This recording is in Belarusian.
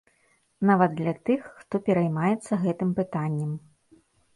Нават для тых, хто пераймаецца гэтым пытаннем.